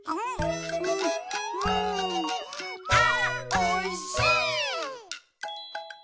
「あーおいしい！」